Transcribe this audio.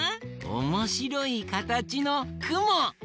おもしろいかたちのくも！